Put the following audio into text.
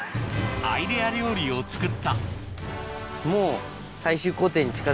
アイデア料理を作ったもう。